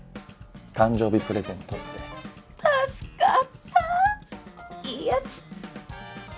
誕生日プレゼントって助かったいいヤツ